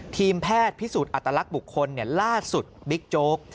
ทีมแพทย์พิสูจน์อัตลักษณ์บุคคลล่าสุดบิ๊กโจ๊ก